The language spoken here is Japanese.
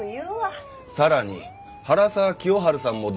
さらに原沢清春さんも同様に。